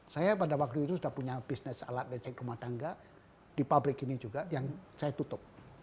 saya pada waktu itu sudah punya bisnis alat lecek rumah tangga di pabrik ini juga yang saya tutup